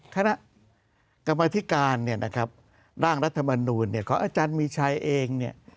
คณะกรรมธิการเนี่ยนะครับร่างรัฐมนูลเนี่ยของอาจารย์มีชัยเองเนี่ย